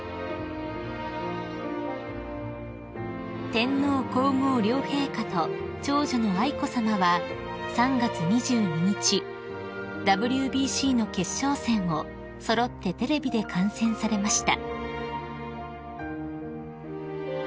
［天皇皇后両陛下と長女の愛子さまは３月２２日ＷＢＣの決勝戦を揃ってテレビで観戦されました］